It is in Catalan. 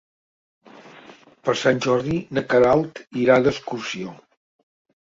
Per Sant Jordi na Queralt irà d'excursió.